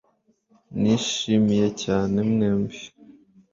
Nishimiye cyane mwembi